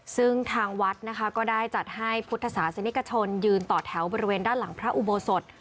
ซึ่งทางวัดนะคะก็ได้จัดให้พุทธศาสนิกชนยืนต่อแถวบริเวณด้านหลังพระอุโบสถ